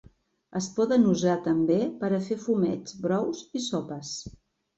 Es poden usar també per a fer fumets, brous i sopes.